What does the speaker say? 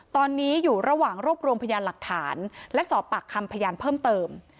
ตอนนี้อยู่ระหว่างรวบรวมพยานหลักฐานและสอบปากคำพยานเพิ่มเติม